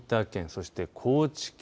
そして高知県